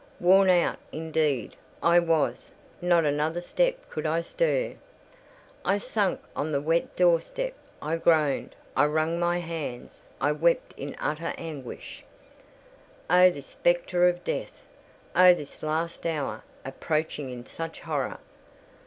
Worn out, indeed, I was; not another step could I stir. I sank on the wet doorstep: I groaned—I wrung my hands—I wept in utter anguish. Oh, this spectre of death! Oh, this last hour, approaching in such horror!